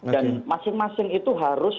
dan masing masing itu harus